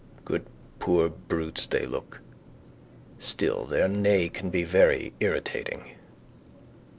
Good poor brutes they look. Still their neigh can be very irritating.